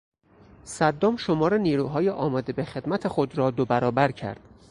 صدام شمار نیروهای آماده به خدمت خود را دو برابر کرد.